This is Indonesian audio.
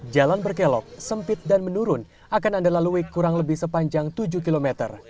jalan berkelok sempit dan menurun akan anda lalui kurang lebih sepanjang tujuh km